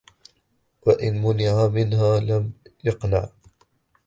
وَإِنْ مُنِعَ مِنْهَا لَمْ يَقْنَعْ